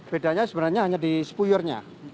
bedanya sebenarnya hanya di sepuyurnya